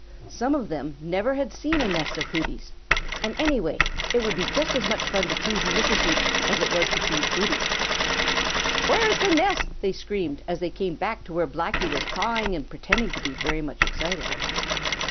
Some of them never had seen a nest of Hooty's. And anyway, it would be just as much fun to tease Mrs. Hooty as it was to tease Hooty. "Where is the nest?" they screamed, as they came back to where Blacky was cawing and pretending to be very much excited.